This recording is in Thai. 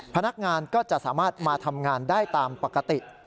พนักงานก็จะสามารถมาทำงานได้ตามปกติ